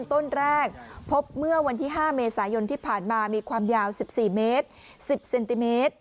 ต้นแรกพบเมื่อวันที่๕เมษายนที่ผ่านมามีความยาว๑๔เมตร๑๐เซนติเมตร